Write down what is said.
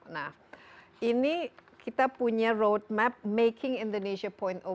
nah ini kita punya roadmap making indonesia empat